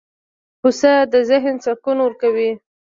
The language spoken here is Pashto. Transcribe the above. پسه د ذهن سکون ورکوي.